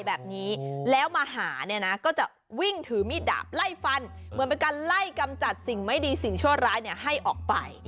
แบบนี้แล้วมาหาเนี่ยนะก็จะวิ่งถือมีดดาบไล่ฟันเหมือนเป็นการไล่กำจัดสิ่งไม่ดีสิ่งชั่วร้ายเนี่ยให้ออกไป